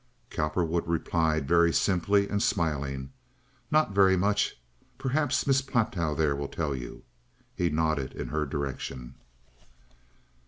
Cowperwood replied very simply and smilingly: "Not very much. Perhaps Miss Platow there will tell you." He nodded in her direction.